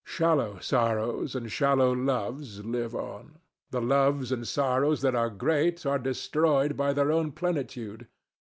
Shallow sorrows and shallow loves live on. The loves and sorrows that are great are destroyed by their own plenitude.